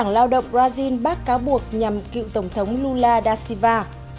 lao động brazil bác cáo buộc nhằm cựu tổng thống lula da silva